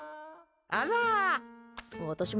あら。